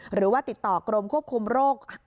หรือว่าติดต่อกรมควบคุมโรค